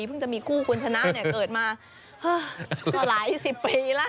เพิ่งจะมีคู่คุณชนะเกิดมาก็หลายสิบปีแล้ว